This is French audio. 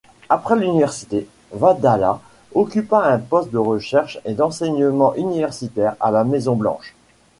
Après l'université, Vadala occupa un poste de recherche et d'enseignement universitaire à la Maison-Blanche.